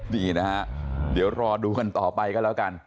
นี่นะฮะเดี๋ยวรอดูกันต่อไปก็แล้วกัน